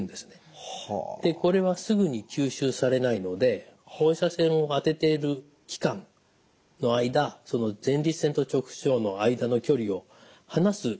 これはすぐに吸収されないので放射線を当てている期間の間前立腺と直腸の間の距離を離す役割があります。